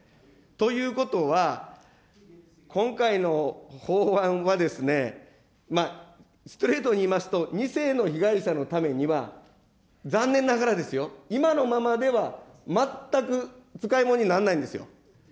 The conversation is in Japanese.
ということは、今回の法案はですね、ストレートに言いますと、２世の被害者のためには、残念ながらですよ、今のままでは全く使いもんになんないんですよ。